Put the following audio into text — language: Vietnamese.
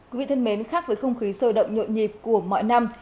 quý vị thân mến khác với không khí sôi động nhộn nhịp của mọi năm